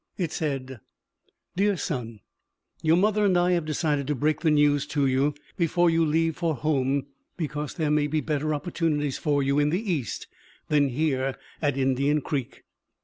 It said: Dear Son Your mother and I have decided to break the news to you before you leave for home, because there may be better opportunities for you in the East than here at Indian Creek.